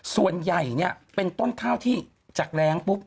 ส่วนใหญ่เนี่ยเป็นต้นข้าวที่จากแรงปุ๊บ